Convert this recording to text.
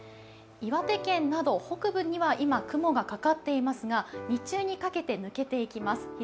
岩手県など北部には今雲がかかっていますが、日中にかけて抜けていきます。